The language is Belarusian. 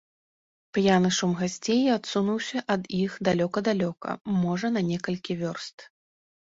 П'яны шум гасцей адсунуўся ад іх далёка-далёка, можа, на некалькі вёрст.